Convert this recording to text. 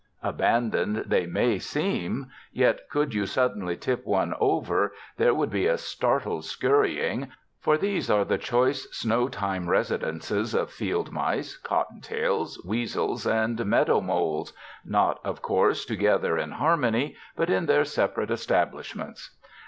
Abandoned they may seem, yet could you suddenly tip one over there would be a startled scurrying, for these are the choice snow time residences of field mice, cottontails, weasels, and meadow moles—not, of course, together in harmony, but in their separate establishments.